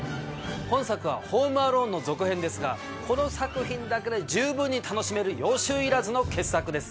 本作は『ホーム・アローン』の続編ですがこの作品だけで十分に楽しめる予習いらずの傑作です。